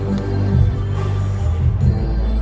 สโลแมคริปราบาล